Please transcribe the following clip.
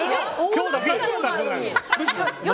今日だけよ。